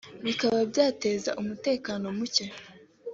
bikaba byateza umutekano muke